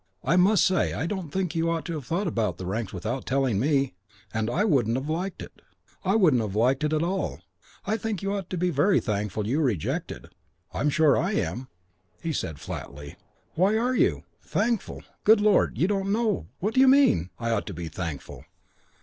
I must say I don't think you ought to have thought about the ranks without telling me. And I wouldn't have liked it. I wouldn't have liked it at all. I think you ought to be very thankful you were rejected. I'm sure I am." He said flatly, "Why are you? Thankful good lord you don't know what do you mean, I ought to be thankful?"